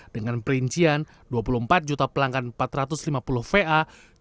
dengan perincian dua puluh empat juta pelanggan empat ratus lima puluh va